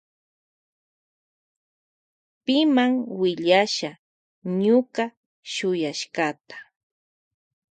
Pima willasha ñuka yuyashkata.